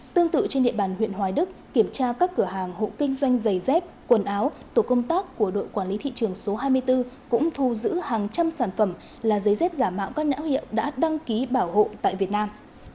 tương tự trên địa bàn huyện hoài đức kiểm tra các cửa hàng hộ kinh doanh giày dép quần áo tổ công tác của đội quản lý thị trường số hai mươi bốn cũng thu giữ hàng trăm sản phẩm là giấy dép giả mạo các não hiệu đã đăng ký bảo hộ tại việt nam